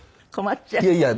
困っちゃう。